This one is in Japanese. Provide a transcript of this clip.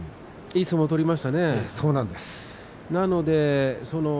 いい相撲を取りましたね。